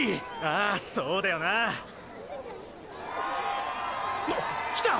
ああそうだよな。来た！